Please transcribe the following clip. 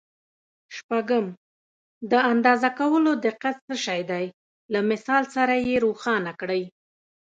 شپږم: د اندازه کولو دقت څه شی دی؟ له مثال سره یې روښانه کړئ.